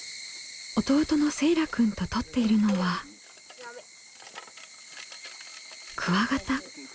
弟のせいらくんととっているのはクワガタ。